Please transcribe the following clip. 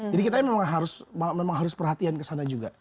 jadi kita memang harus perhatian ke sana juga